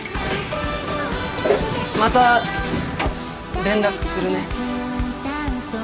また連絡するね。